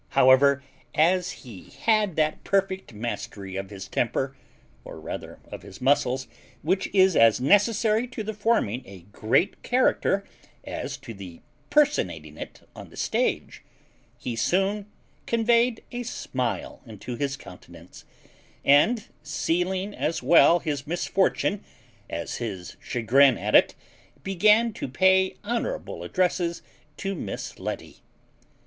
However, as he had that perfect mastery of his temper, or rather of his muscles, which is as necessary to the forming a great character as to the personating it on the stage, he soon conveyed a smile into his countenance, and, sealing as well his misfortune as his chagrin at it, began to pay honourable addresses to Miss Letty.